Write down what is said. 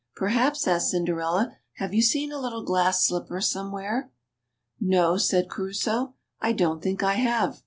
"Please," asked Cinderella, "have you seen a little glass slipper anywhere?" " No," said Crusoe, " I don't think I have.